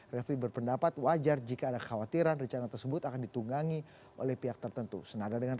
refle berpendapat wajar jika ada khawatiran recana itu dapat membuka pintu masuk bagi lembaga lain untuk meminta penguatan institusinya